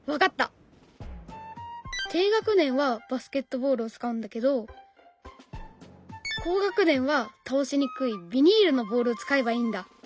低学年はバスケットボールを使うんだけど高学年は倒しにくいビニールのボールを使えばいいんだ。